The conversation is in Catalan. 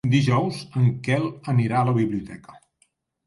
Dijous en Quel anirà a la biblioteca.